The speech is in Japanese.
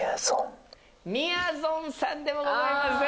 みやぞんさんでもございません。